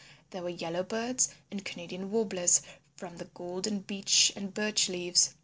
There were Yellowbirds and Canadian Warblers from the golden Beech and Birch leaves.